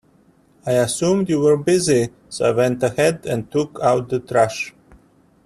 I assumed you were busy, so I went ahead and took out the trash.